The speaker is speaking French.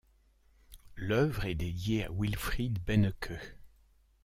L'œuvre est dédiée à Wilfried Bennecke.